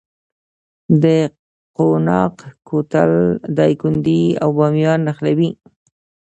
د قوناق کوتل دایکنډي او بامیان نښلوي